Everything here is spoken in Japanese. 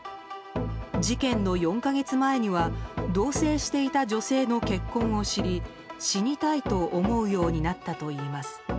事件の４か月前には同棲していた女性の結婚を知り死にたいと思うようになったといいます。